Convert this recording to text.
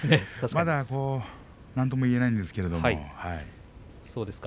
まだなんとも言えないんですけれどね。